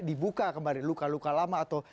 dibuka kembali luka luka lama atau